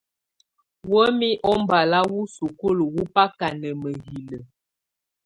Wǝ́miǝ̀ ubala wù sukulu wù baka na mǝ̀hilǝ́.